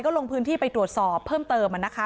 ก็ลงพื้นที่ไปตรวจสอบพื้นเพิ่มอ่ะนะคะ